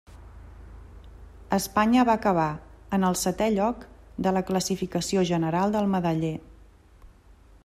Espanya va acabar en el setè lloc de la classificació general del medaller.